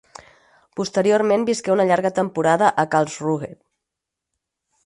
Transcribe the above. Posteriorment visqué una llarga temporada a Karlsruhe.